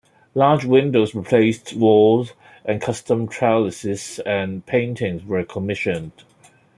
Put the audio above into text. Large windows replaced walls, and custom trellises and paintings were commissioned.